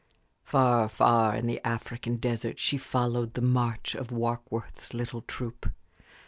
... Far, far in the African desert she followed the march of Warkworth's little troop.